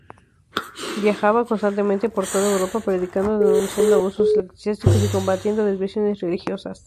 Viajaba constantemente por toda Europa, predicando, denunciando abusos eclesiásticos y combatiendo desviaciones religiosas.